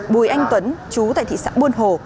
bùi anh tuấn chú tại thị xã buôn hồ